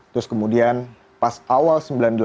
terus kemudian pas awal sembilan puluh delapan